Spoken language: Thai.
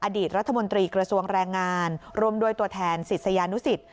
อดีตรัฐมนตรีเกราะสวงแรงงานรวมด้วยตัวแถนสิตสญานุศิษฐ์